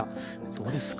どうですか？